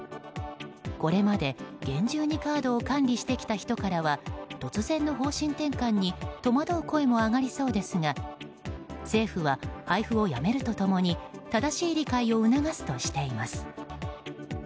これまで、厳重にカードを管理してきた人からは突然の方針転換に戸惑う声も上がりそうですが政府は配布をやめると共に正しい理解を促すとしています。